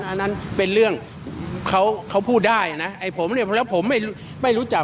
อันนั้นเป็นเรื่องเขาเขาพูดได้นะไอ้ผมเนี่ยแล้วผมไม่รู้จัก